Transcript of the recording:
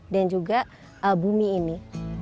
dan juga bumi ini